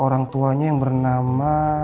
orang tuanya yang bernama